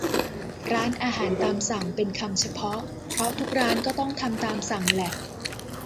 ร้านอาหารตามสั่ง เป็นคำเฉพาะ เพราะทุกร้านก็ต้องทำตามสั่งแหละ